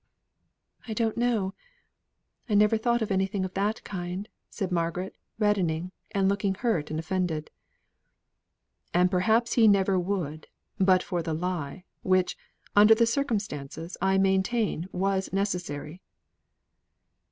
"I don't know. I never thought anything of that kind," said Margaret, reddening, and looking hurt and offended. "And perhaps he never would, but for the lie, which, under the circumstances, I maintain, was necessary."